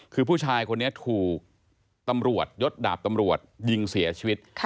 คือผู้ชายคนนี้ถูกตำรวจยศดาบตำรวจยิงเสียชีวิต